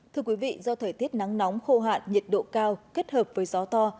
thưa quý vị do thời tiết nắng nóng khô hạn nhiệt độ cao kết hợp với gió to